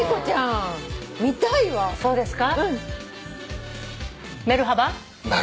そうですか？